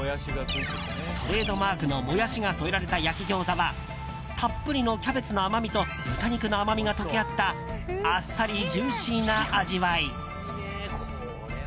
トレードマークのモヤシが添えられた焼き餃子はたっぷりのキャベツの甘みと豚肉の甘みが溶け合ったあっさりジューシーな味わい。